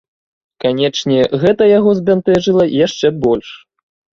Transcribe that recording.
Канечне, гэта яго збянтэжыла яшчэ больш.